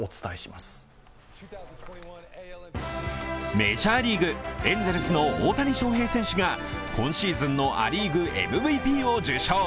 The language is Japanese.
メジャーリーグ、エンゼルスの大谷翔平選手が今シーズンのア・リーグＭＶＰを受賞。